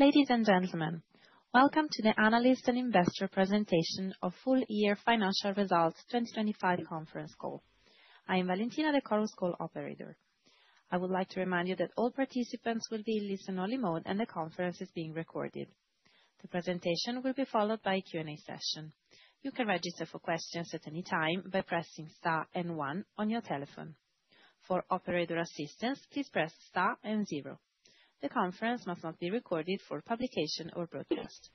Ladies and gentlemen, welcome to the Analyst and Investor Presentation of Full Year Financial Results 2025 conference call. I am Valentina, the call's call operator. I would like to remind you that all participants will be in listen-only mode, and the conference is being recorded. The presentation will be followed by a Q&A session. You can register for questions at any time by pressing star and one on your telephone. For operator assistance, please press star and zero. The conference must not be recorded for publication or broadcast.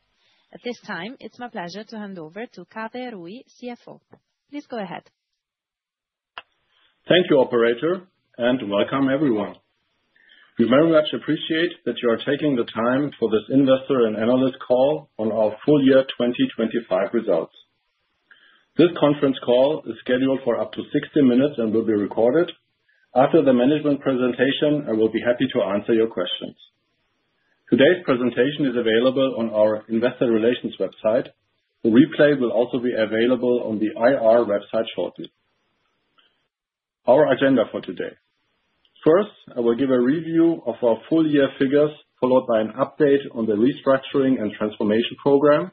At this time, it's my pleasure to hand over to Kaveh Rouhi, CFO. Please go ahead. Thank you, operator, and welcome everyone. We very much appreciate that you are taking the time for this investor and analyst call on our full year 2025 results. This conference call is scheduled for up to 60 minutes and will be recorded. After the management presentation, I will be happy to answer your questions. Today's presentation is available on our investor relations website. A replay will also be available on the IR website shortly. Our agenda for today. First, I will give a review of our full year figures, followed by an update on the restructuring and transformation program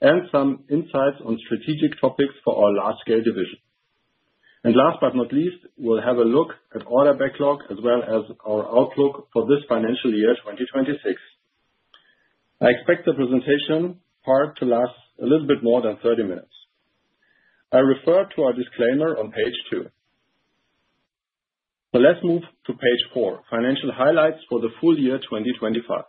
and some insights on strategic topics for our large-scale division. Last but not least, we'll have a look at order backlog as well as our outlook for this financial year, 2026. I expect the presentation part to last a little bit more than 30 minutes. I refer to our disclaimer on page two. Let's move to page four, financial highlights for the full year 2025.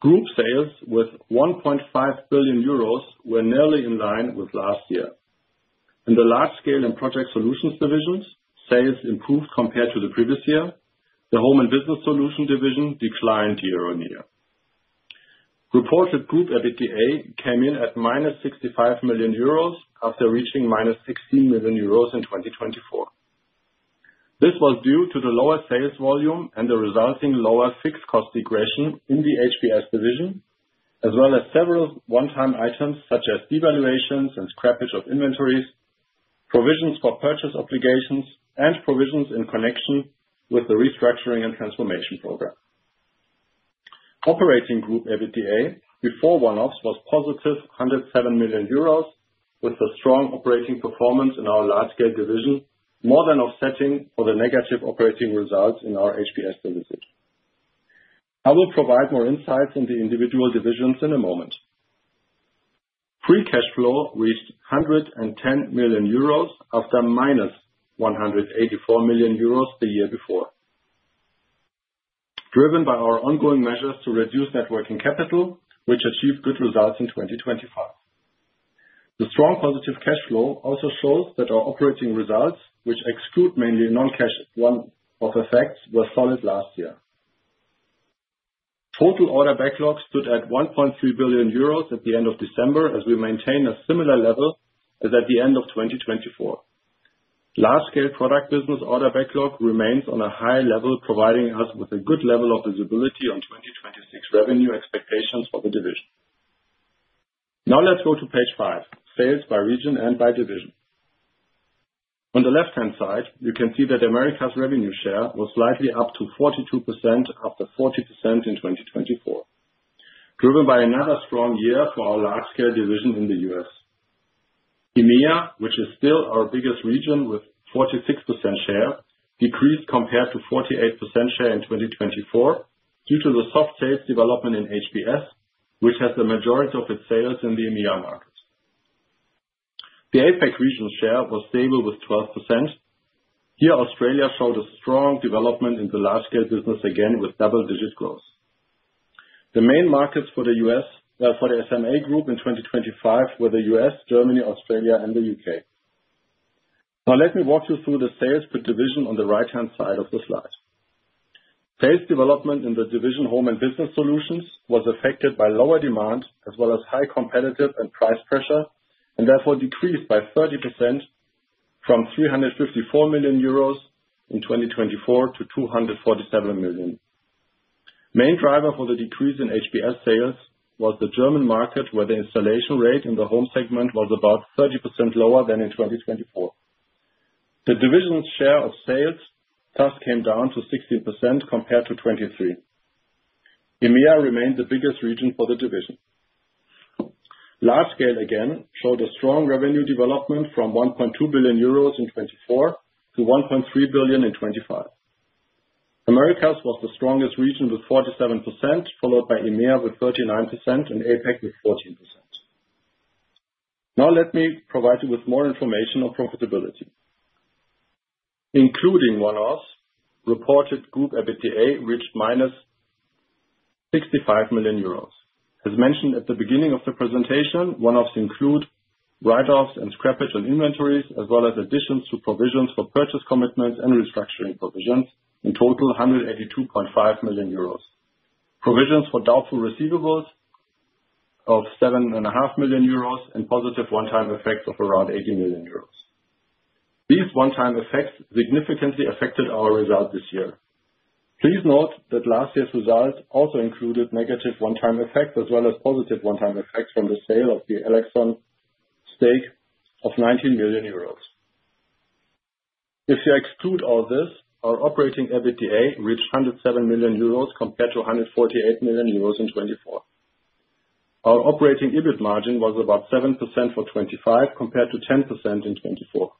Group sales with 1.5 billion euros were nearly in line with last year. In the Large Scale and Project Solutions division, sales improved compared to the previous year. The Home and Business Solutions division declined year-on-year. Reported group EBITDA came in at -65 million euros after reaching -16 million euros in 2024. This was due to the lower sales volume and the resulting lower fixed cost degradation in the HBS division, as well as several one-time items such as devaluations and scrappage of inventories, provisions for purchase obligations, and provisions in connection with the restructuring and transformation program. Operating Group EBITDA before one-offs was 107 million euros, with the strong operating performance in our Large Scale division more than offsetting the negative operating results in our HBS division. I will provide more insights into individual divisions in a moment. Free cash flow reached 110 million euros after -184 million euros the year before, driven by our ongoing measures to reduce net working capital, which achieved good results in 2025. The strong positive cash flow also shows that our operating results, which exclude mainly non-cash one-off effects, were solid last year. Total order backlogs stood at 1.3 billion euros at the end of December, as we maintain a similar level as at the end of 2024. Large Scale product business order backlog remains on a high level, providing us with a good level of visibility on 2026 revenue expectations for the division. Now let's go to page five, sales by region and by division. On the left-hand side, you can see that Americas revenue share was slightly up to 42% after 40% in 2024, driven by another strong year for our Large Scale division in the U.S. EMEA, which is still our biggest region with 46% share, decreased compared to 48% share in 2024 due to the soft sales development in HBS, which has the majority of its sales in the EMEA market. The APAC regional share was stable with 12%. Here, Australia showed a strong development in the Large Scale business, again with double-digit growth. The main markets for the SMA group in 2025 were the U.S., Germany, Australia, and the U.K. Now let me walk you through the sales per division on the right-hand side of the slide. Sales development in the division Home and Business Solutions was affected by lower demand as well as high competitive and price pressure, and therefore decreased by 30% from 354 million euros in 2024 to 247 million. Main driver for the decrease in HBS sales was the German market, where the installation rate in the home segment was about 30% lower than in 2024. The divisional share of sales thus came down to 16% compared to 23%. EMEA remained the biggest region for the division. Large Scale, again, showed a strong revenue development from 1.2 billion euros in 2024 to 1.3 billion in 2025. Americas was the strongest region with 47%, followed by EMEA with 39% and APAC with 14%. Now let me provide you with more information on profitability. Including one-offs, reported group EBITDA reached -65 million euros. As mentioned at the beginning of the presentation, one-offs include write-offs and scrappage on inventories, as well as additions to provisions for purchase commitments and restructuring provisions. In total, 182.5 million euros. Provisions for doubtful receivables of 7.5 million euros and positive one-time effects of around 80 million euros. These one-time effects significantly affected our results this year. Please note that last year's results also included negative one-time effects as well as positive one-time effects from the sale of the elexon stake of 19 million euros. If you exclude all this, our operating EBITDA reached 107 million euros compared to 148 million euros in 2024. Our operating EBIT margin was about 7% for 2025 compared to 10% in 2024.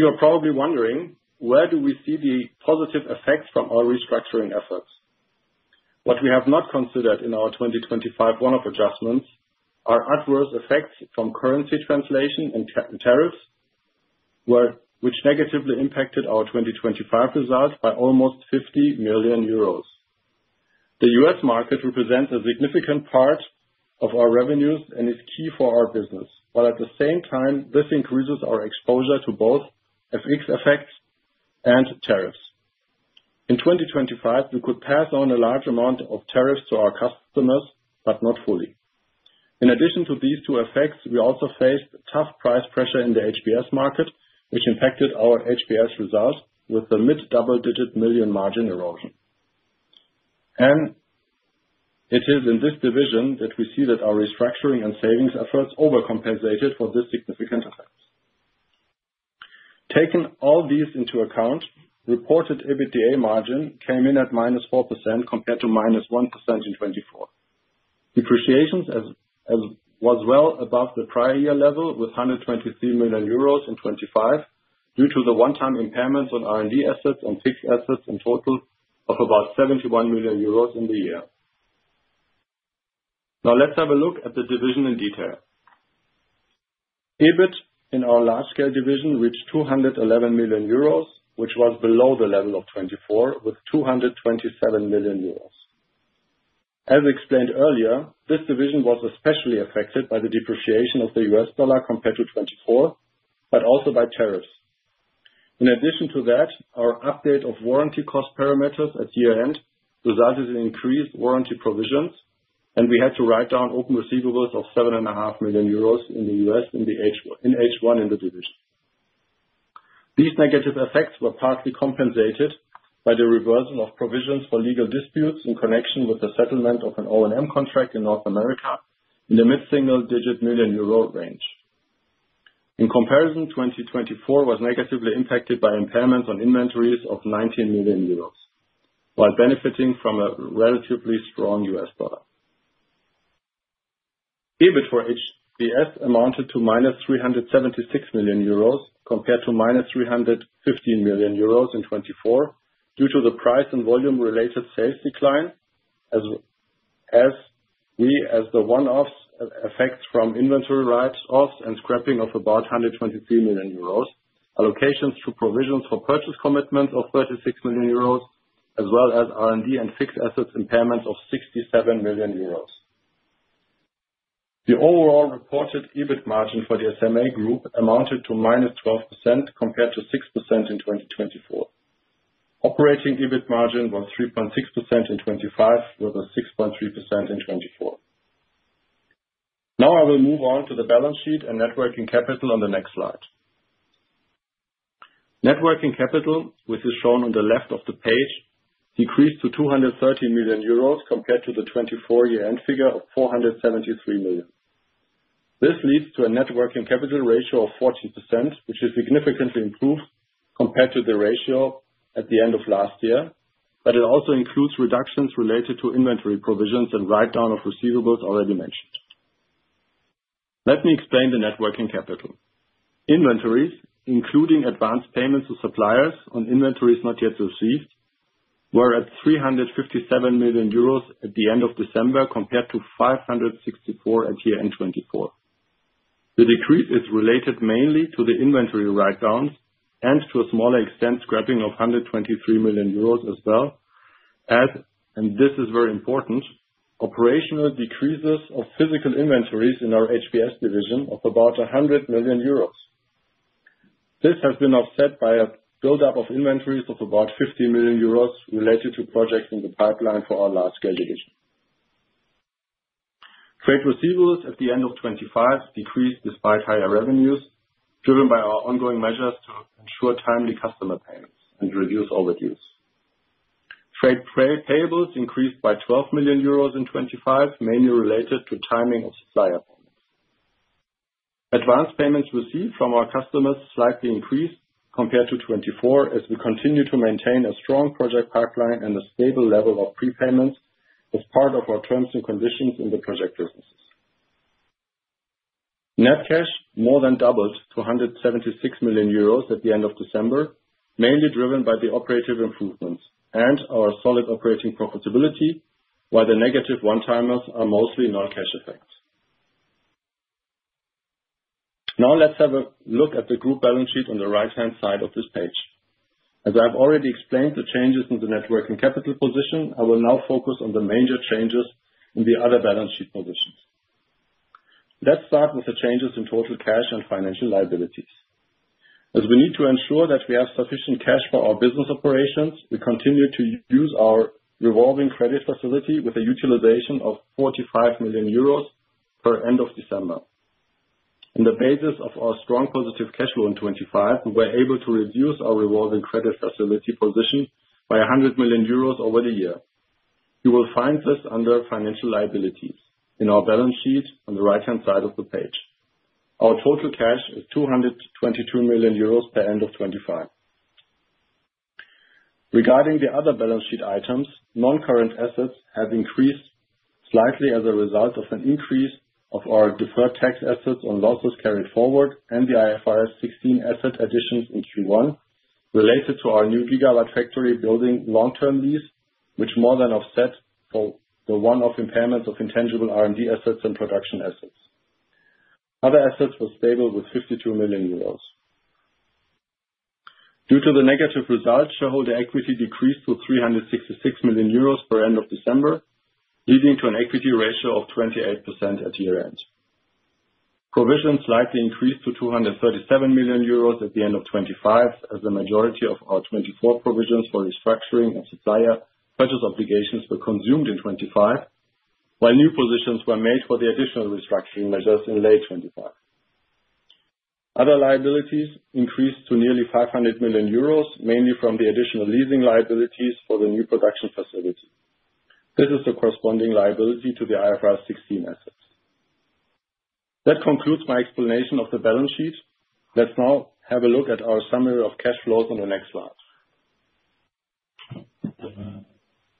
You are probably wondering, where do we see the positive effects from our restructuring efforts? What we have not considered in our 2025 one-off adjustments are adverse effects from currency translation and tariffs, which negatively impacted our 2025 results by almost 50 million euros. The U.S. market represents a significant part of our revenues and is key for our business. But at the same time, this increases our exposure to both FX effects and tariffs. In 2025, we could pass on a large amount of tariffs to our customers, but not fully. In addition to these two effects, we also faced tough price pressure in the HBS market, which impacted our HBS results with the mid double-digit million margin erosion. It is in this division that we see that our restructuring and savings efforts overcompensated for this significant effect. Taking all these into account, reported EBITDA margin came in at -4% compared to -1% in 2024. Depreciations, as was well above the prior year level, with 123 million euros in 2025, due to the one-time impairments on R&D assets and fixed assets in total of about 71 million euros in the year. Now let's have a look at the division in detail. EBIT in our large-scale division reached 211 million euros, which was below the level of 2024, with 227 million euros. As explained earlier, this division was especially affected by the depreciation of the U.S. dollar compared to 2024, but also by tariffs. In addition to that, our upgrade of warranty cost parameters at year-end resulted in increased warranty provisions, and we had to write down open receivables of 7.5 million euros in the U.S. in H1 in the division. These negative effects were partly compensated by the reversal of provisions for legal disputes in connection with the settlement of an O&M contract in North America in the mid-single-digit million euro range. In comparison, 2024 was negatively impacted by impairments on inventories of 19 million euros, while benefiting from a relatively strong U.S. dollar. EBIT for HBS amounted to -376 million euros compared to -315 million euros in 2024 due to the price and volume-related sales decline, as well as the one-off effects from inventory write-offs and scrapping of about 123 million euros, allocations to provisions for purchase commitments of 36 million euros, as well as R&D and fixed assets impairments of 67 million euros. The overall reported EBIT margin for the SMA Group amounted to -12% compared to 6% in 2024. Operating EBIT margin was 3.6% in 2025, with 6.3% in 2024. Now I will move on to the balance sheet and net working capital on the next slide. Net working capital, which is shown on the left of the page, decreased to 230 million euros compared to the 2024 year-end figure of 473 million. This leads to a net working capital ratio of 14%, which is significantly improved compared to the ratio at the end of last year, but it also includes reductions related to inventory provisions and write-down of receivables already mentioned. Let me explain the net working capital. Inventories, including advanced payments to suppliers on inventories not yet received, were at 357 million euros at the end of December, compared to 564 million at year-end 2024. The decrease is related mainly to the inventory write-downs and to a smaller extent, scrapping of 123 million euros as well as, and this is very important, operational decreases of physical inventories in our HBS division of about 100 million euros. This has been offset by a build-up of inventories of about 50 million euros related to projects in the pipeline for our large-scale division. Trade receivables at the end of 2025 decreased despite higher revenues, driven by our ongoing measures to ensure timely customer payments and reduce overdues. Trade payables increased by 12 million euros in 2025, mainly related to timing of supplier payments. Advanced payments received from our customers slightly increased compared to 2024 as we continue to maintain a strong project pipeline and a stable level of prepayments as part of our terms and conditions in the project businesses. Net cash more than doubled to 176 million euros at the end of December, mainly driven by the operative improvements and our solid operating profitability, while the negative one-timers are mostly non-cash effects. Now let's have a look at the group balance sheet on the right-hand side of this page. As I have already explained the changes in the net working capital position, I will now focus on the major changes in the other balance sheet positions. Let's start with the changes in total cash and financial liabilities. As we need to ensure that we have sufficient cash for our business operations, we continue to use our revolving credit facility with a utilization of 45 million euros at end of December. On the basis of our strong positive cash flow in 2025, we were able to reduce our revolving credit facility position by 100 million euros over the year. You will find this under financial liabilities in our balance sheet on the right-hand side of the page. Our total cash is 222 million euros by end of 2025. Regarding the other balance sheet items, non-current assets have increased slightly as a result of an increase of our deferred tax assets and losses carried forward and the IFRS 16 asset additions in Q1 related to our new gigafactory building long-term lease, which more than offset for the one-off impairments of intangible R&D assets and production assets. Other assets were stable with 52 million euros. Due to the negative results, shareholder equity decreased to 366 million euros as of end of December, leading to an equity ratio of 28% at year-end. Provisions slightly increased to 237 million euros at the end of 2025, as the majority of our 2024 provisions for restructuring and supplier purchase obligations were consumed in 2025. While new provisions were made for the additional restructuring measures in late 2025. Other liabilities increased to nearly 500 million euros, mainly from the additional leasing liabilities for the new production facility. This is the corresponding liability to the IFRS 16 assets. That concludes my explanation of the balance sheet. Let's now have a look at our summary of cash flows on the next slide.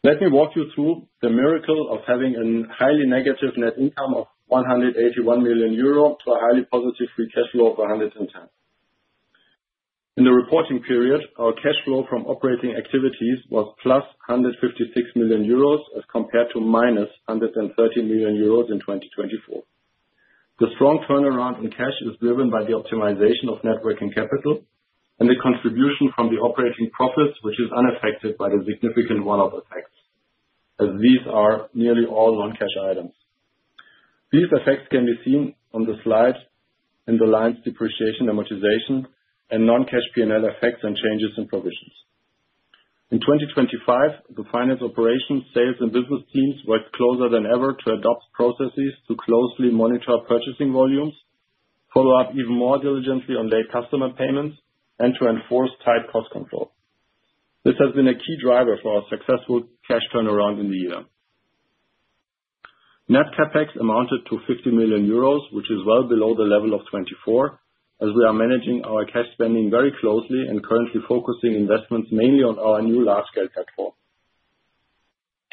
Let me walk you through the miracle of having a highly negative net income of 181 million euro to a highly positive free cash flow of 110 million. In the reporting period, our cash flow from operating activities was +156 million euros as compared to -130 million euros in 2024. The strong turnaround in cash is driven by the optimization of net working capital and the contribution from the operating profits, which is unaffected by the significant one-off effects, as these are nearly all non-cash items. These effects can be seen on the slide in the lines depreciation, amortization, and non-cash P&L effects, and changes in provisions. In 2025, the finance operations, sales, and business teams worked closer than ever to adopt processes to closely monitor our purchasing volumes, follow up even more diligently on late customer payments, and to enforce tight cost control. This has been a key driver for our successful cash turnaround in the year. Net CapEx amounted to 50 million euros, which is well below the level of 2024, as we are managing our cash spending very closely and currently focusing investments mainly on our new large-scale platform.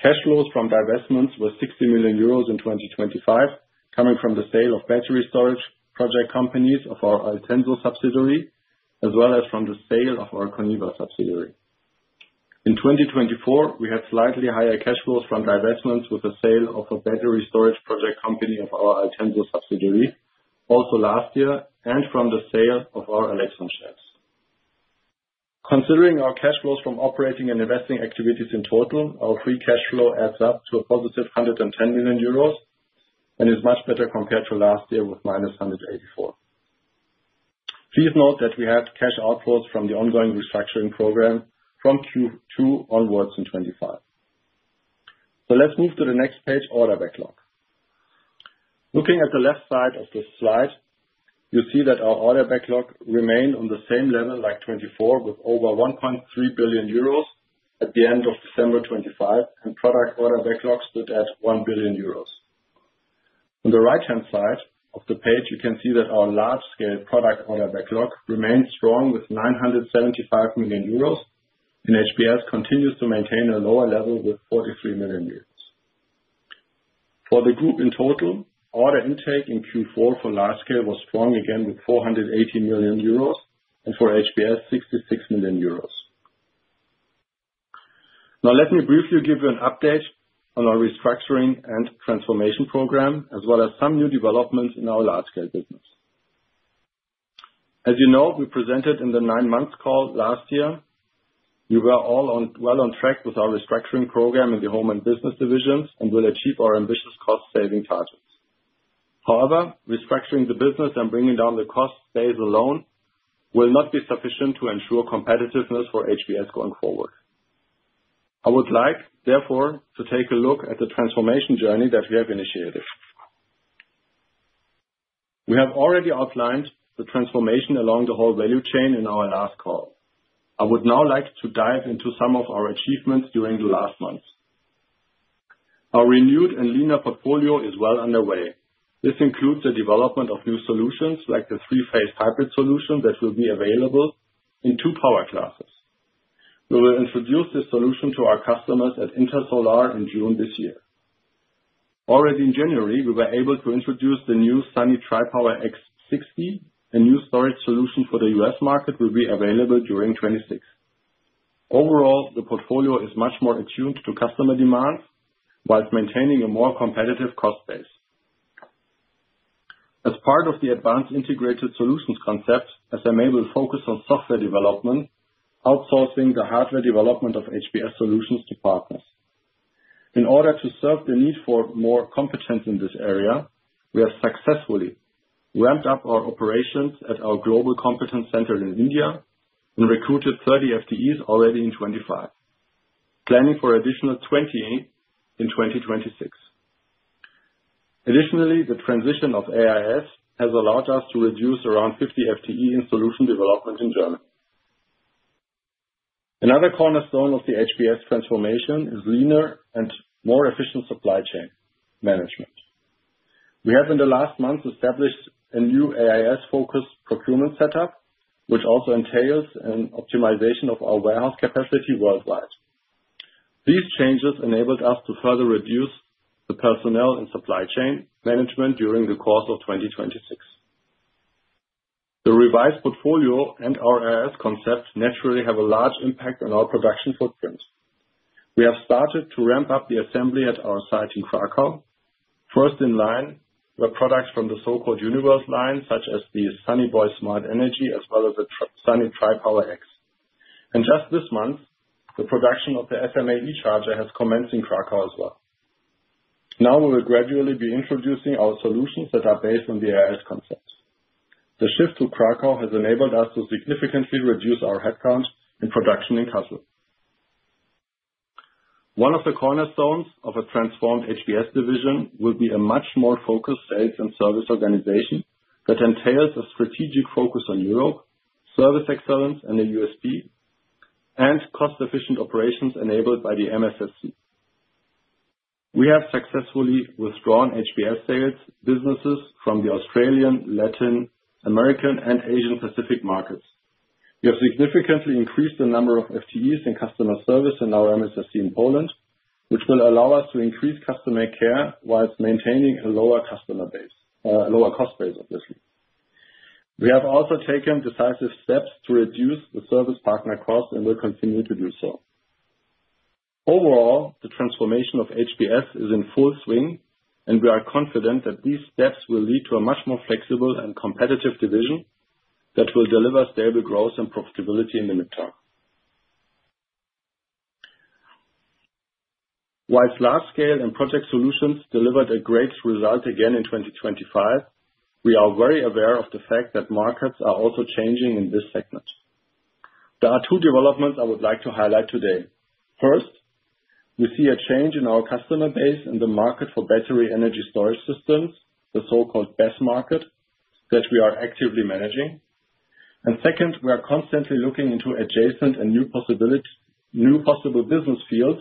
Cash flows from divestments were 60 million euros in 2025, coming from the sale of battery storage project companies of our Altenso subsidiary, as well as from the sale of our coneva subsidiary. In 2024, we had slightly higher cash flows from divestments with the sale of a battery storage project company of our Altenso subsidiary also last year and from the sale of our Elexon shares. Considering our cash flows from operating and investing activities in total, our free cash flow adds up to a +110 million euros and is much better compared to last year with -184 million. Please note that we had cash outflows from the ongoing restructuring program from Q2 onwards in 2025. Let's move to the next page, order backlog. Looking at the left side of this slide, you'll see that our order backlog remained on the same level like 2024, with over 1.3 billion euros at the end of December 2025, and product order backlog stood at 1 billion euros. On the right-hand side of the page, you can see that our Large Scale product order backlog remains strong with 975 million euros, and HBS continues to maintain a lower level with 43 million euros. For the group in total, order intake in Q4 for Large Scale was strong again with 480 million euros and for HBS, 66 million euros. Now, let me briefly give you an update on our restructuring and transformation program, as well as some new developments in our Large Scale business. As you know, we presented in the nine-month call last year. We were on track with our restructuring program in the Home and Business divisions and will achieve our ambitious cost-saving targets. However, restructuring the business and bringing down the cost base alone will not be sufficient to ensure competitiveness for HBS going forward. I would like, therefore, to take a look at the transformation journey that we have initiated. We have already outlined the transformation along the whole value chain in our last call. I would now like to dive into some of our achievements during the last months. Our renewed and leaner portfolio is well underway. This includes the development of new solutions like the three-phase hybrid solution that will be available in two power classes. We will introduce this solution to our customers at Intersolar in June this year. Already in January, we were able to introduce the new Sunny Tripower X 60. A new storage solution for the U.S. market will be available during 2026. Overall, the portfolio is much more attuned to customer demands while maintaining a more competitive cost base. As part of the advanced integrated solutions concept, SMA will focus on software development, outsourcing the hardware development of HBS solutions to partners. In order to serve the need for more competence in this area, we have successfully ramped up our operations at our global competence center in India and recruited 30 FTEs already in 2025, planning for additional 28 in 2026. Additionally, the transition of AIS has allowed us to reduce around 50 FTEs in solution development in Germany. Another cornerstone of the HBS transformation is leaner and more efficient supply chain management. We have, in the last month, established a new AIS-focused procurement setup, which also entails an optimization of our warehouse capacity worldwide. These changes enabled us to further reduce the personnel and supply chain management during the course of 2026. The revised portfolio and our AIS concept naturally have a large impact on our production footprints. We have started to ramp up the assembly at our site in Kraków. First in line were products from the so-called Universe line, such as the Sunny Boy Smart Energy, as well as the Sunny Tripower X. Just this month, the production of the SMA eCharger has commenced in Kraków as well. Now we will gradually be introducing our solutions that are based on the AIS concepts. The shift to Kraków has enabled us to significantly reduce our headcount and production in Kassel. One of the cornerstones of a transformed HBS division will be a much more focused sales and service organization that entails a strategic focus on Europe, service excellence in the U.S., and cost-efficient operations enabled by the MSSC. We have successfully withdrawn HBS sales businesses from the Australian, Latin American, and Asian Pacific markets. We have significantly increased the number of FTEs in customer service in our MSSC in Poland, which will allow us to increase customer care while maintaining a lower customer base, lower cost base, obviously. We have also taken decisive steps to reduce the service partner costs and will continue to do so. Overall, the transformation of HBS is in full swing, and we are confident that these steps will lead to a much more flexible and competitive division that will deliver stable growth and profitability in the midterm. While Large Scale and Project Solutions delivered a great result again in 2025, we are very aware of the fact that markets are also changing in this segment. There are two developments I would like to highlight today. First, we see a change in our customer base in the market for battery energy storage systems, the so-called BESS market, that we are actively managing. Second, we are constantly looking into adjacent and new possible business fields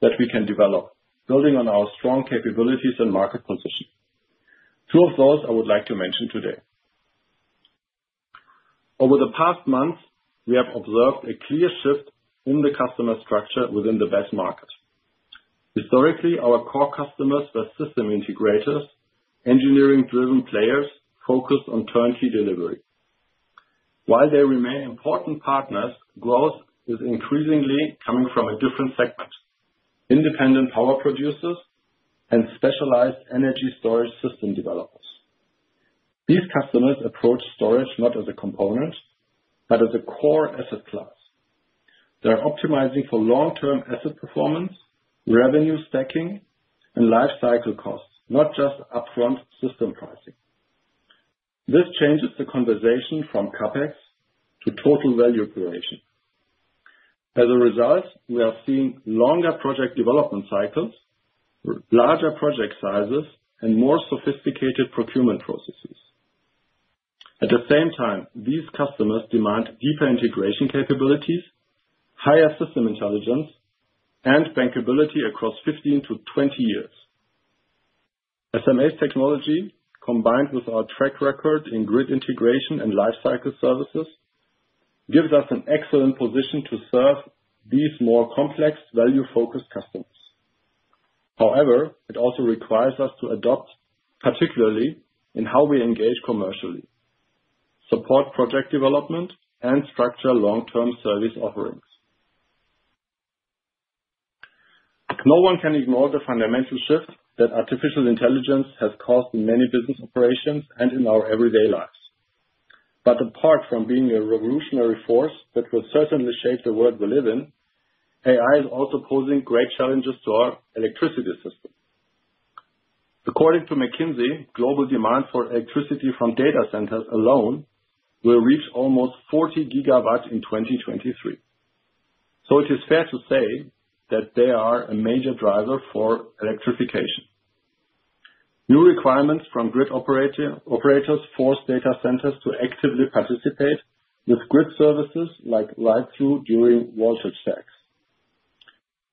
that we can develop, building on our strong capabilities and market position. Two of those I would like to mention today. Over the past months, we have observed a clear shift in the customer structure within the BESS market. Historically, our core customers were system integrators, engineering-driven players focused on turnkey delivery. While they remain important partners, growth is increasingly coming from a different segment, independent power producers and specialized energy storage system developers. These customers approach storage not as a component, but as a core asset class. They are optimizing for long-term asset performance, revenue stacking, and life cycle costs, not just upfront system pricing. This changes the conversation from CapEx to total value creation. As a result, we are seeing longer project development cycles, larger project sizes, and more sophisticated procurement processes. At the same time, these customers demand deeper integration capabilities, higher system intelligence, and bankability across 15-20 years. SMA's technology, combined with our track record in grid integration and life cycle services, gives us an excellent position to serve these more complex, value-focused customers. However, it also requires us to adapt, particularly in how we engage commercially, support project development, and structure long-term service offerings. No one can ignore the fundamental shift that artificial intelligence has caused in many business operations and in our everyday lives. Apart from being a revolutionary force that will certainly shape the world we live in, AI is also posing great challenges to our electricity system. According to McKinsey, global demand for electricity from data centers alone will reach almost 40 GW in 2023. It is fair to say that they are a major driver for electrification. New requirements from grid operators force data centers to actively participate with grid services like LVRT during voltage sags.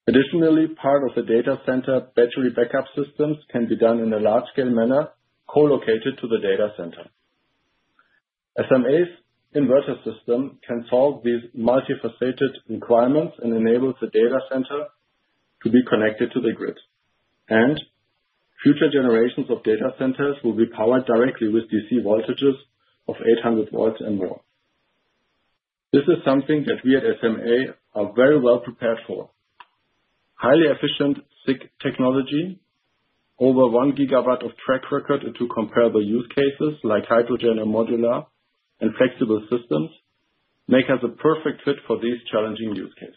Additionally, part of the data center battery backup systems can be done in a large-scale manner, co-located to the data center. SMA's inverter system can solve these multifaceted requirements and enables the data center to be connected to the grid. Future generations of data centers will be powered directly with DC voltages of 800 V and more. This is something that we at SMA are very well prepared for. Highly efficient SiC technology, over 1 GW of track record into comparable use cases like hydrogen and modular and flexible systems make us a perfect fit for these challenging use cases.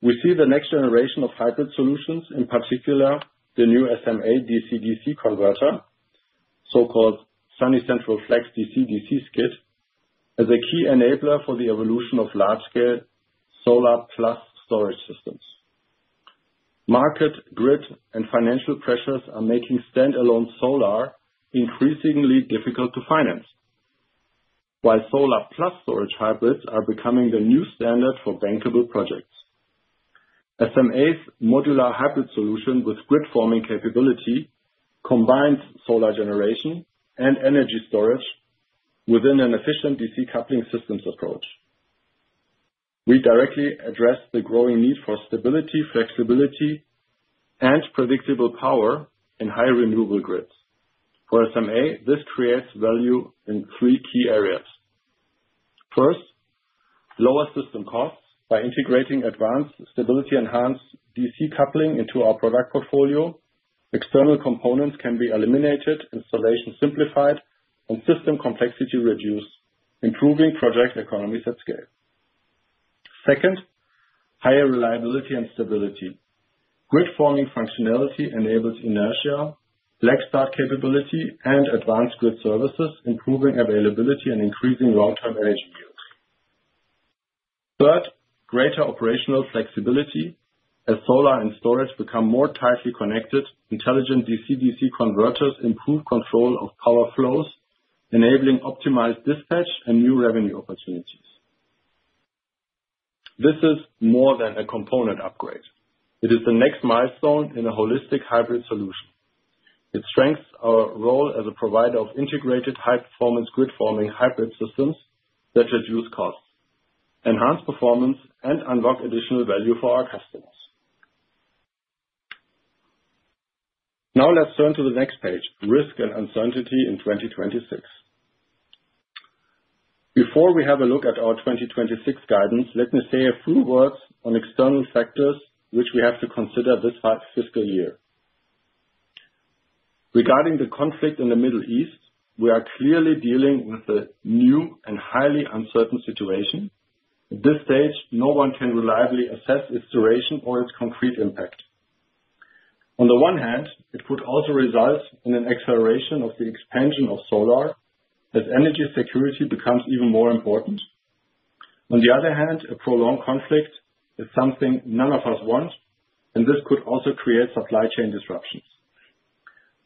We see the next generation of hybrid solutions, in particular the new SMA DC-DC converter. So-called Sunny Central FLEX DC-DC skid is a key enabler for the evolution of large scale solar plus storage systems. Market, grid, and financial pressures are making standalone solar increasingly difficult to finance. While solar plus storage hybrids are becoming the new standard for bankable projects. SMA's modular hybrid solution with grid forming capability combines solar generation and energy storage within an efficient DC coupling systems approach. We directly address the growing need for stability, flexibility, and predictable power in high renewable grids. For SMA, this creates value in three key areas. First, lower system costs by integrating advanced stability enhanced DC coupling into our product portfolio. External components can be eliminated, installation simplified, and system complexity reduced, improving project economies at scale. Second, higher reliability and stability. Grid forming functionality enables inertia, black start capability, and advanced grid services, improving availability and increasing long-term energy use. Third, greater operational flexibility. As solar and storage become more tightly connected, intelligent DC-DC converters improve control of power flows, enabling optimized dispatch and new revenue opportunities. This is more than a component upgrade. It is the next milestone in a holistic hybrid solution. It strengthens our role as a provider of integrated high-performance grid forming hybrid systems that reduce costs, enhance performance, and unlock additional value for our customers. Now let's turn to the next page, risk and uncertainty in 2026. Before we have a look at our 2026 guidance, let me say a few words on external factors which we have to consider this half fiscal year. Regarding the conflict in the Middle East, we are clearly dealing with a new and highly uncertain situation. At this stage, no one can reliably assess its duration or its concrete impact. On the one hand, it could also result in an acceleration of the expansion of solar as energy security becomes even more important. On the other hand, a prolonged conflict is something none of us want, and this could also create supply chain disruptions.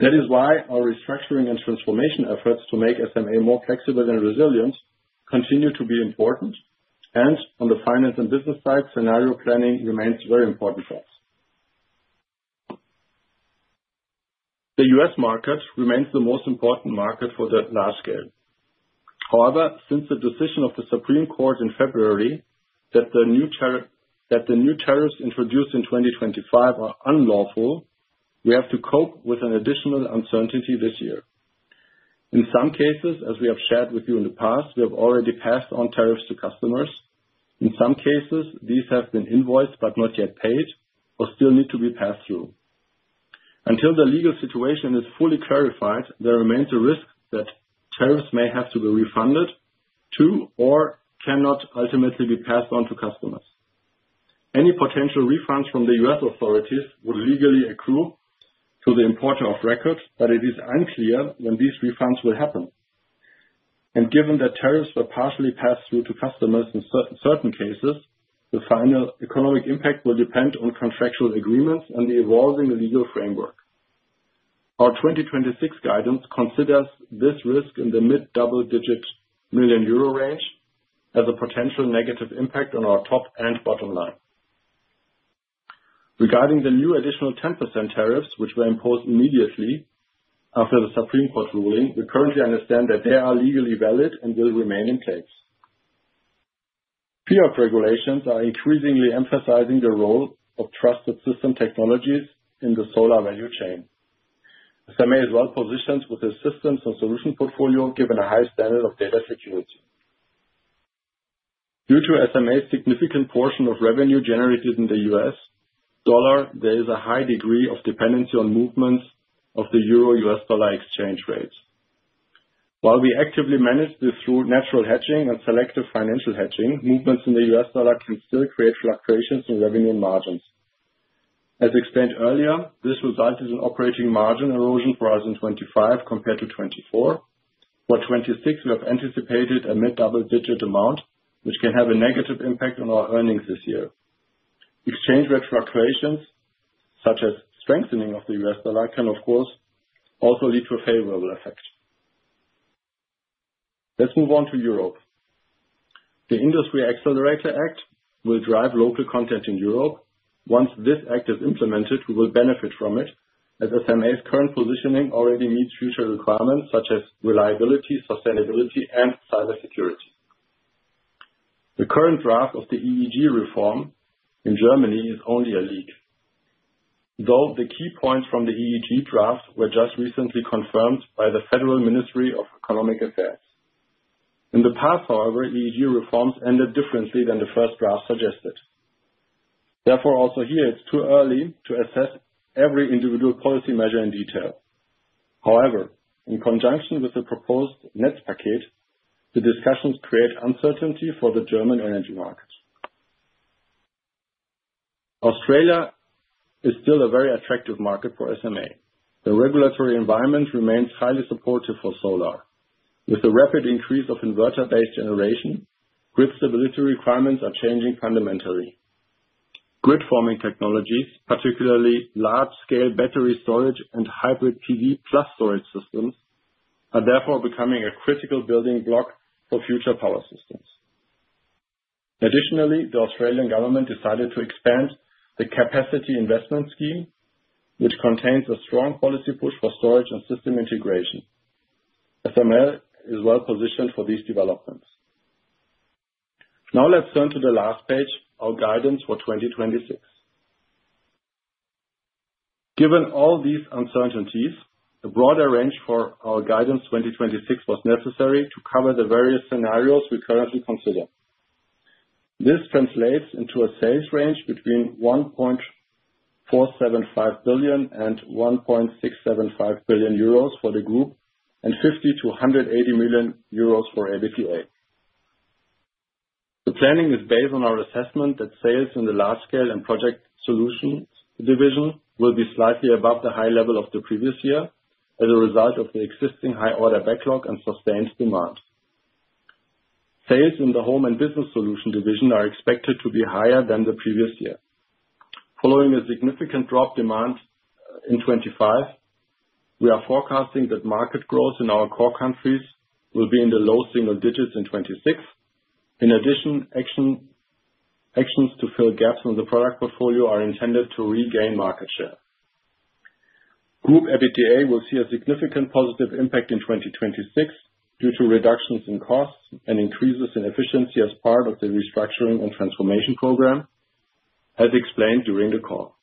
That is why our restructuring and transformation efforts to make SMA more flexible and resilient continue to be important. On the finance and business side, scenario planning remains very important for us. The U.S. market remains the most important market for that large scale. However, since the decision of the Supreme Court in February that the new tariffs introduced in 2025 are unlawful, we have to cope with an additional uncertainty this year. In some cases, as we have shared with you in the past, we have already passed on tariffs to customers. In some cases, these have been invoiced but not yet paid, or still need to be passed through. Until the legal situation is fully clarified, there remains a risk that tariffs may have to be refunded to or cannot ultimately be passed on to customers. Any potential refunds from the U.S. authorities will legally accrue to the importer of record, but it is unclear when these refunds will happen. Given that tariffs were partially passed through to customers in certain cases, the final economic impact will depend on contractual agreements and the evolving legal framework. Our 2026 guidance considers this risk in the mid double-digit million euro range as a potential negative impact on our top and bottom line. Regarding the new additional 10% tariffs, which were imposed immediately after the Supreme Court ruling, we currently understand that they are legally valid and will remain in place. PIO regulations are increasingly emphasizing the role of trusted system technologies in the solar value chain. SMA is well-positioned with its systems and solution portfolio, given a high standard of data security. Due to SMA's significant portion of revenue generated in the U.S. dollar, there is a high degree of dependency on movements of the euro-U.S. dollar exchange rates. While we actively manage this through natural hedging and selective financial hedging, movements in the U.S. dollar can still create fluctuations in revenue margins. As explained earlier, this resulted in operating margin erosion for us in 2025 compared to 2024. For 2026, we have anticipated a mid double-digit amount, which can have a negative impact on our earnings this year. Exchange rate fluctuations, such as strengthening of the U.S. dollar, can of course also lead to a favorable effect. Let's move on to Europe. The Net-Zero Industry Act will drive local content in Europe. Once this act is implemented, we will benefit from it, as SMA's current positioning already meets future requirements such as reliability, sustainability, and cybersecurity. The current draft of the EEG reform in Germany is only a leak, though the key points from the EEG draft were just recently confirmed by the Federal Ministry for Economic Affairs. In the past, however, EEG reforms ended differently than the first draft suggested. Therefore, also here it's too early to assess every individual policy measure in detail. However, in conjunction with the proposed Netzpaket, the discussions create uncertainty for the German energy market. Australia is still a very attractive market for SMA. The regulatory environment remains highly supportive for solar. With the rapid increase of inverter-based generation, grid stability requirements are changing fundamentally. Grid forming technologies, particularly large-scale battery storage and hybrid PV plus storage systems, are therefore becoming a critical building block for future power systems. Additionally, the Australian government decided to expand the Capacity Investment Scheme, which contains a strong policy push for storage and system integration. SMA is well-positioned for these developments. Now let's turn to the last page, our guidance for 2026. Given all these uncertainties, the broader range for our guidance 2026 was necessary to cover the various scenarios we currently consider. This translates into a sales range between 1.475 billion-1.675 billion euros for the group, and 50 million-180 million euros for EBITDA. The planning is based on our assessment that sales in the Large Scale and Project Solutions division will be slightly above the high level of the previous year as a result of the existing high order backlog and sustained demand. Sales in the Home and Business Solutions division are expected to be higher than the previous year. Following a significant drop in demand in 2025, we are forecasting that market growth in our core countries will be in the low single digits in 2026. In addition, actions to fill gaps in the product portfolio are intended to regain market share. Group EBITDA will see a significant positive impact in 2026 due to reductions in costs and increases in efficiency as part of the restructuring and transformation program, as explained during the call.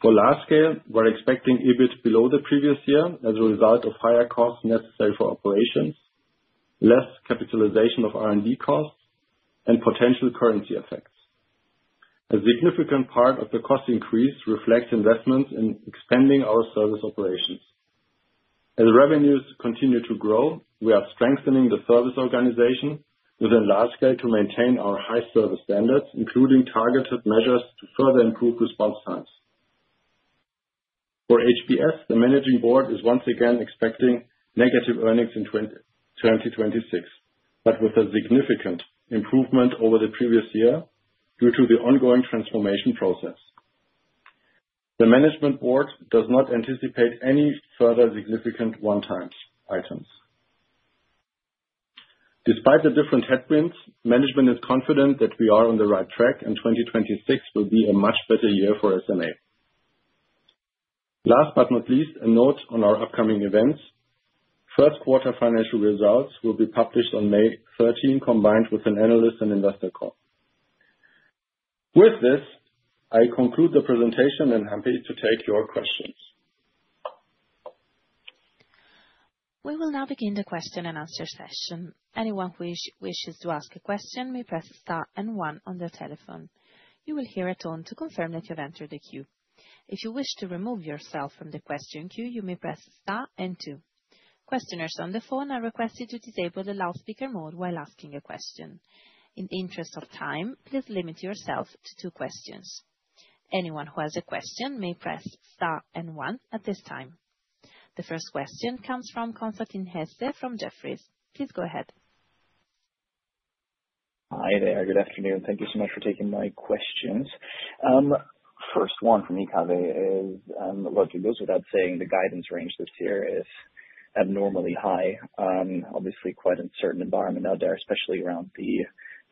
For Large Scale, we're expecting EBIT below the previous year as a result of higher costs necessary for operations, less capitalization of R&D costs, and potential currency effects. A significant part of the cost increase reflects investments in expanding our service operations. As revenues continue to grow, we are strengthening the service organization within Large Scale to maintain our high service standards, including targeted measures to further improve response times. For HBS, the Management Board is once again expecting negative earnings in 2026, but with a significant improvement over the previous year due to the ongoing transformation process. The Management Board does not anticipate any further significant one-time items. Despite the different headwinds, management is confident that we are on the right track, and 2026 will be a much better year for SMA. Last but not least, a note on our upcoming events. First quarter financial results will be published on May 13, combined with an analyst and investor call. With this, I conclude the presentation and I'm happy to take your questions. We will now begin the question and answer session. Anyone wishes to ask a question may press star and one on their telephone. You will hear a tone to confirm that you've entered the queue. If you wish to remove yourself from the question queue, you may press star and two. Questioners on the phone are requested to disable the loudspeaker mode while asking a question. In the interest of time, please limit yourself to two questions. Anyone who has a question may press star and one at this time. The first question comes from Constantin Hesse from Jefferies. Please go ahead. Hi there. Good afternoon. Thank you so much for taking my questions. First one from me, Kaveh, is logically, without saying the guidance range this year is abnormally high. Obviously quite uncertain environment out there, especially around the,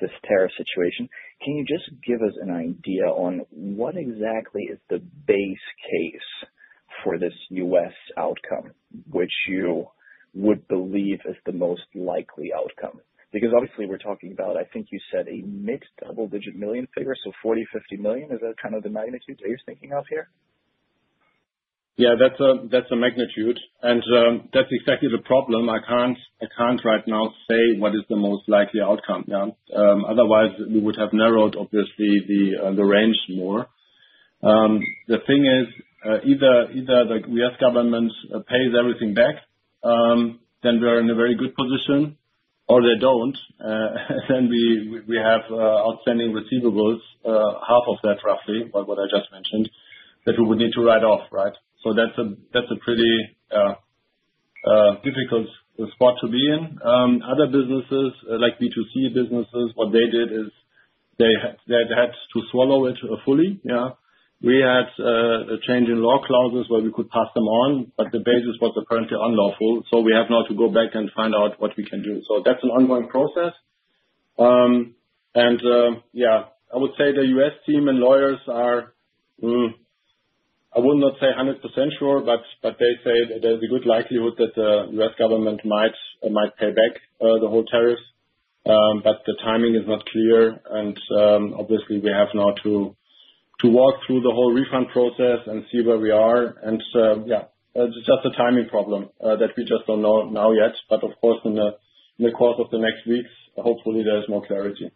this tariff situation. Can you just give us an idea on what exactly is the base case for this U.S. outcome, which you would believe is the most likely outcome? Because obviously we're talking about, I think you said, a mid to double-digit million figure, so 40 million, 50 million. Is that kind of the magnitude that you're thinking of here? Yeah, that's a magnitude and that's exactly the problem. I can't right now say what is the most likely outcome. Yeah. Otherwise we would have narrowed, obviously, the range more. The thing is, either the U.S. government pays everything back, then we're in a very good position, or they don't, then we have outstanding receivables, half of that roughly, by what I just mentioned, that we would need to write off, right? That's a pretty difficult spot to be in. Other businesses like B2C businesses, what they did is they had to swallow it fully, yeah. We had a change in law clause where we could pass them on, but the basis was apparently unlawful, so we have now to go back and find out what we can do. That's an ongoing process. Yeah, I would say the U.S. team and lawyers are, I will not say 100% sure, but they say there's a good likelihood that the U.S. government might pay back the whole tariff, but the timing is not clear and, obviously we have now to walk through the whole refund process and see where we are. Yeah, it's just a timing problem, that we just don't know now yet. Of course, in the course of the next weeks, hopefully there's more clarity.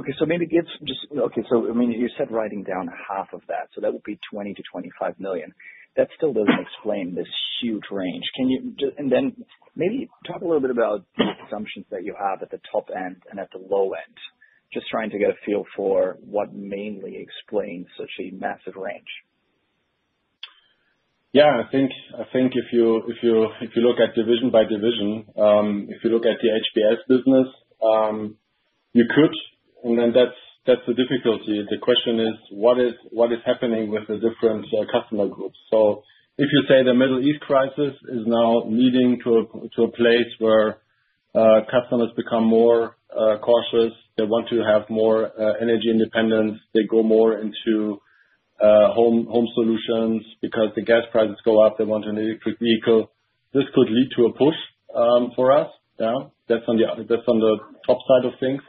I mean, you said writing down half of that, so that would be 20 million-25 million. That still doesn't explain this huge range. Can you and then maybe talk a little bit about the assumptions that you have at the top end and at the low end. I'm just trying to get a feel for what mainly explains such a massive range. Yeah, I think if you look at division by division, if you look at the HBS business, you could. That's the difficulty. The question is what is happening with the different customer groups. If you say the Middle East crisis is now leading to a place where customers become more cautious, they want to have more energy independence, they go more into home solutions. Because the gas prices go up, they want an electric vehicle. This could lead to a push for us. Now that's on the top side of things.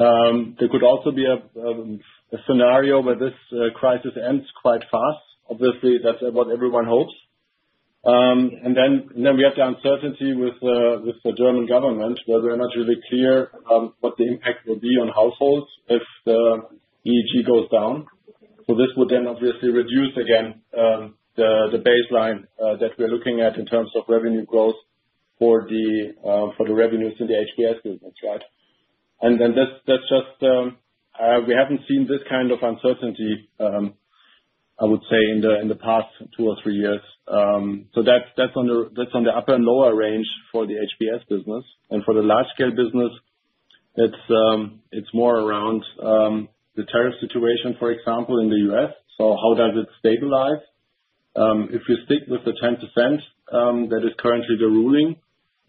There could also be a scenario where this crisis ends quite fast. Obviously, that's what everyone hopes. We have the uncertainty with the German government, where we're not really clear what the impact will be on households if the EEG goes down. This would then obviously reduce again the baseline that we're looking at in terms of revenue growth for the revenues in the HBS business, right? We haven't seen this kind of uncertainty, I would say, in the past two or three years. That's on the upper and lower range for the HBS business. For the Large Scale business, it's more around the tariff situation, for example, in the U.S. How does it stabilize? If we stick with the 10%, that is currently the ruling,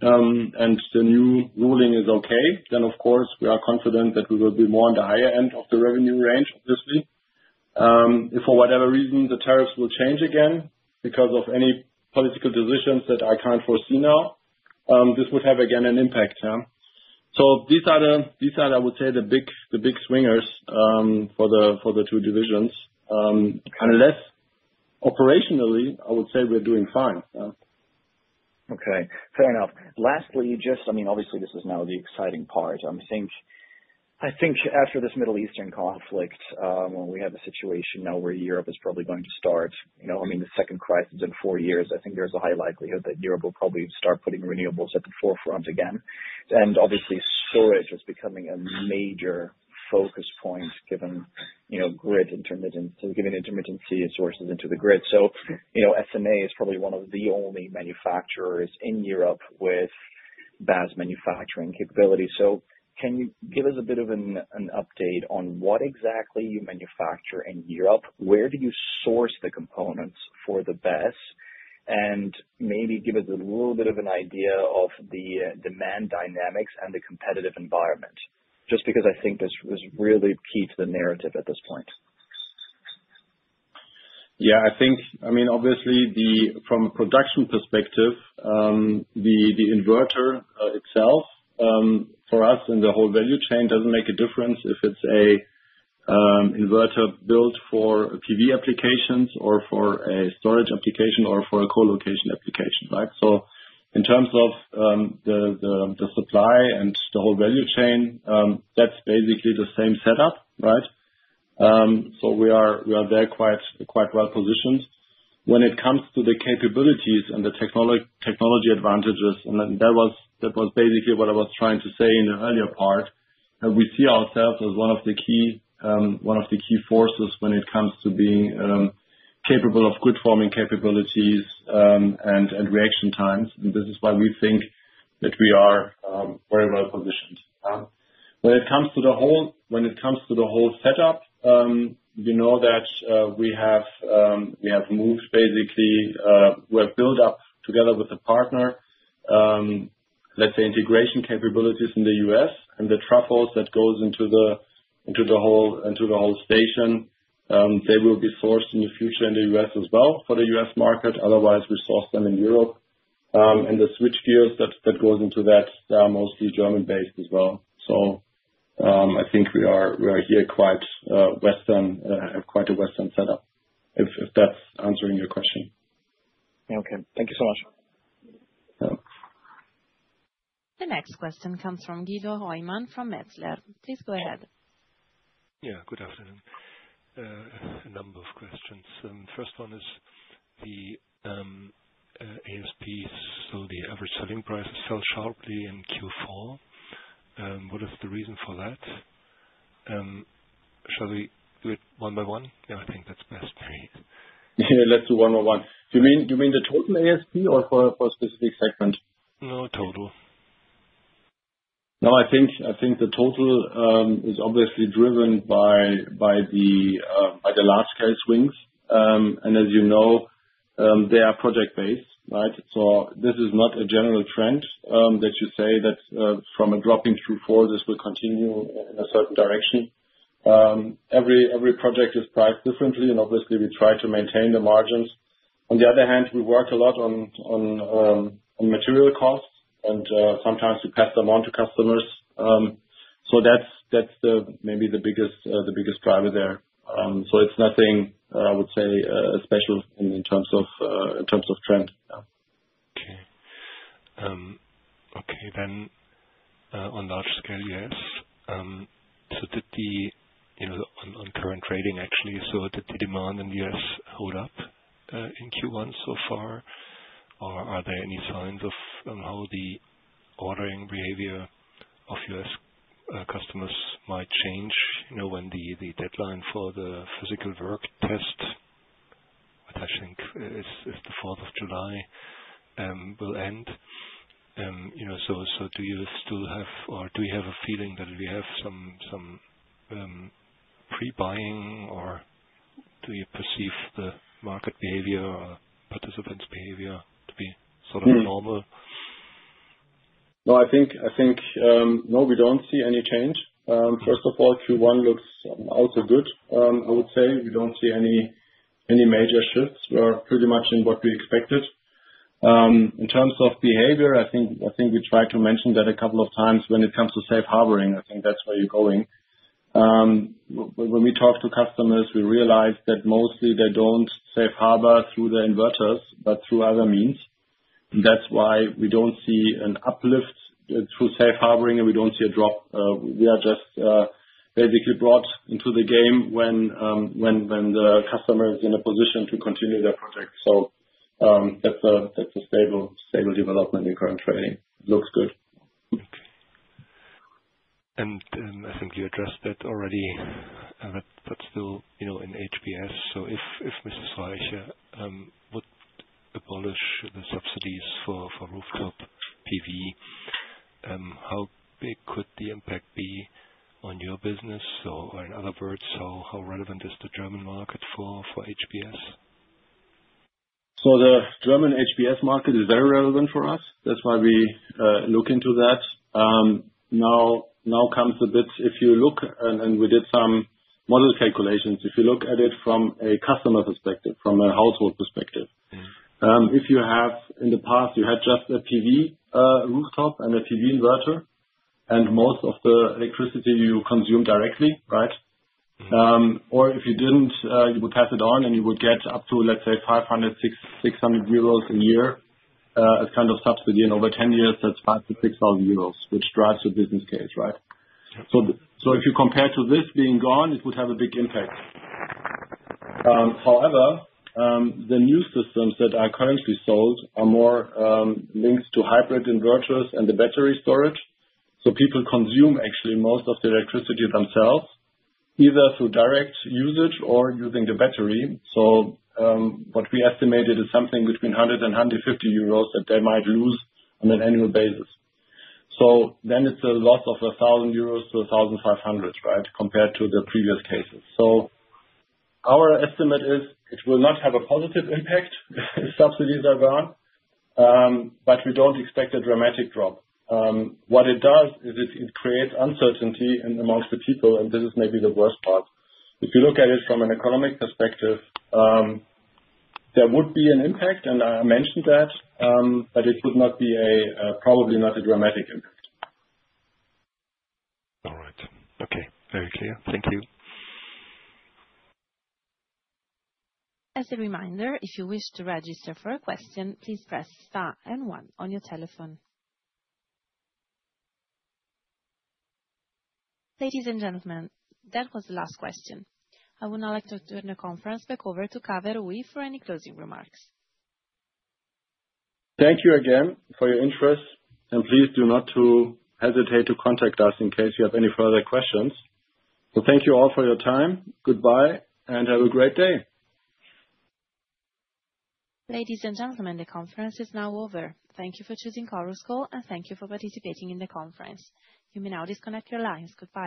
and the new ruling is okay, then of course we are confident that we will be more on the higher end of the revenue range, obviously. If for whatever reason the tariffs will change again because of any political decisions that I can't foresee now, this would have, again, an impact. These are, I would say, the big swingers for the two divisions. Kind of less operationally, I would say we're doing fine. Yeah. Okay, fair enough. Lastly, just I mean, obviously this is now the exciting part. I think after this Middle Eastern conflict, when we have a situation now where Europe is probably going to start. You know, I mean, the second crisis in four years, I think there's a high likelihood that Europe will probably start putting renewables at the forefront again. Obviously storage is becoming a major focus point given, you know, grid intermittency, given intermittent sources into the grid. You know, SMA is probably one of the only manufacturers in Europe with BESS manufacturing capability. Can you give us a bit of an update on what exactly you manufacture in Europe? Where do you source the components for the BESS? Maybe give us a little bit of an idea of the demand dynamics and the competitive environment, just because I think this is really key to the narrative at this point. I mean, obviously from a production perspective, the inverter itself for us in the whole value chain doesn't make a difference if it's a inverter built for PV applications or for a storage application or for a co-location application, right? In terms of the supply and the whole value chain, that's basically the same setup, right? We are there quite well positioned. When it comes to the capabilities and the technology advantages, and then that was basically what I was trying to say in the earlier part. We see ourselves as one of the key forces when it comes to being capable of grid forming capabilities and reaction times. This is why we think that we are very well positioned. When it comes to the whole setup, we know that we have moved basically. We have built up together with a partner, let's say integration capabilities in the U.S. and the transformers that goes into the whole station. They will be sourced in the future in the U.S. as well for the U.S. market. Otherwise we source them in Europe. The switchgear that goes into that, they are mostly German-based as well. I think we have quite a western setup, if that's answering your question. Okay. Thank you so much. Yeah. The next question comes from Guido Hoymann from Metzler. Please go ahead. Yeah, good afternoon. A number of questions, and first one is the ASP. The average selling prices fell sharply in Q4. What is the reason for that? Shall we do it one by one? Yeah, I think that's best. Let's do one by one. You mean the total ASP or for a specific segment? No, total. No, I think the total is obviously driven by the last currency swings. As you know, they are project-based, right? This is not a general trend that you say that from a drop in Q4 this will continue in a certain direction. Every project is priced differently, and obviously we try to maintain the margins. On the other hand, we work a lot on material costs, and sometimes we pass them on to customers. That's maybe the biggest driver there. It's nothing I would say special in terms of trend. Yeah. Okay. Okay, on Large Scale, yes. So did the demand in the U.S. hold up in Q1 so far? Or are there any signs of how the ordering behavior of U.S. customers might change, you know, when the deadline for the physical work test, which I think is the fourth of July, will end. You know, so do you still have or do you have a feeling that we have some pre-buying, or do you perceive the market behavior or participants' behavior to be sort of normal? No, I think we don't see any change. First of all, Q1 looks also good, I would say. We don't see any major shifts. We are pretty much in what we expected. In terms of behavior, I think we tried to mention that a couple of times when it comes to safe harboring, I think that's where you're going. When we talk to customers, we realize that mostly they don't safe harbor through the inverters but through other means. That's why we don't see an uplift through safe harboring, and we don't see a drop. We are just basically brought into the game when the customer is in a position to continue their project. That's a stable development in current trading. Looks good. I think you addressed that already, but still, you know, in HBS. If Ms. Reiche would abolish the subsidies for rooftop PV, how big could the impact be on your business? In other words, how relevant is the German market for HBS? The German HBS market is very relevant for us. That's why we look into that. Now comes the bit, if you look and we did some model calculations. If you look at it from a customer perspective, from a household perspective. If you have in the past you had just a PV rooftop and a PV inverter, and most of the electricity you consume directly, right? Or if you didn't, you would pass it on, and you would get up to, let's say, 500-600 euros a year, as kind of subsidy. And over 10 years, that's 5,000-6,000 euros, which drives the business case, right? If you compare to this being gone, it would have a big impact. However, the new systems that are currently sold are more linked to hybrid inverters and the battery storage. People consume actually most of the electricity themselves, either through direct usage or using the battery. What we estimated is something between 100-150 euros that they might lose on an annual basis. Then it's a loss of 1,000-1,500 euros, right, compared to the previous cases. Our estimate is it will not have a positive impact if subsidies are gone, but we don't expect a dramatic drop. What it does is it creates uncertainty amongst the people, and this is maybe the worst part. If you look at it from an economic perspective, there would be an impact, and I mentioned that, but it would probably not be a dramatic impact. All right. Okay. Very clear. Thank you. As a reminder, if you wish to register for a question, please press star and one on your telephone. Ladies and gentlemen, that was the last question. I would now like to turn the conference back over to Kaveh Rouhi for any closing remarks. Thank you again for your interest, and please do not hesitate to contact us in case you have any further questions. Thank you all for your time. Goodbye, and have a great day. Ladies and gentlemen, the conference is now over. Thank you for choosing Chorus Call, and thank you for participating in the conference. You may now disconnect your lines. Goodbye.